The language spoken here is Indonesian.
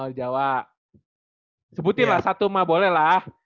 oh di jawa sebutin lah satu mah boleh lah